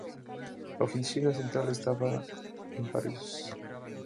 La oficina central estaba en París.